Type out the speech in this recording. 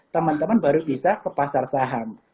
teman teman baru bisa ke pasar saham